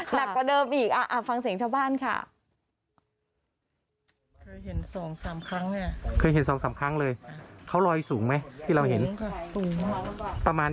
หนักกว่าเดิมอีกฟังเสียงชาวบ้านค่ะ